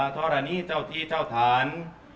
ก็ว่ามันเป็นลำคืน